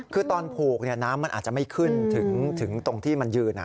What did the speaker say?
คือตอนผูกน้ำมันอาจจะไม่ขึ้นถึงตรงที่มันยืน